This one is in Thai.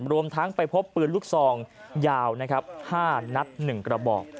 รวมทั้งไปพบปืนลูกซองยาว๕นัด๑กระบอก